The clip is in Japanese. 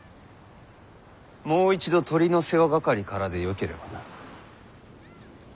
もう一度鶏の世話係からでよければな。